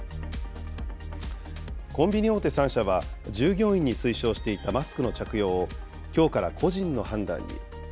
コンビニ大手３社は、従業員に推奨していたマスクの着用をきょうから個人の判断に。